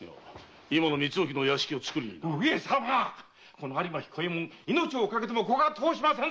この有馬彦右衛門命を懸けてもここは通しませんぞ！